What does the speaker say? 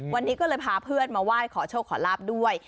วันนี้ก็เลยพาเพื่อนมาไหว้ขอโชคขอลาบด้วย